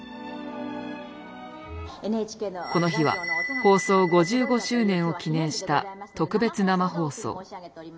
この日は放送５５周年を記念した特別生放送。